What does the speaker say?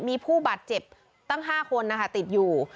มีผู้บาดเจ็บตั้ง๕คนนะคะติดอยู่